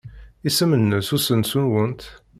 Isem-nnes usensu-nwent?